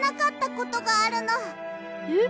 えっ？